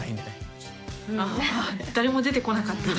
誰も出てこなかった。